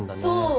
そう。